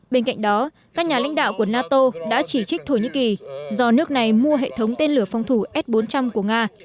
bên cạnh đó các nhà lãnh đạo của nato đã chỉ trích thổ nhĩ kỳ do nước này mua hệ thống tên lửa phòng thủ s bốn trăm linh của nga